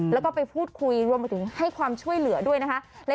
แล้วก็ไปพูดคุยรวมไปถึงให้ความช่วยเหลือด้วยนะคะ